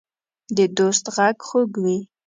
د دوست غږ خوږ وي.